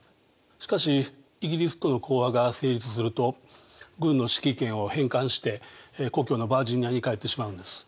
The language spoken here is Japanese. しかしイギリスとの講和が成立すると軍の指揮権を返還して故郷のバージニアに帰ってしまうんです。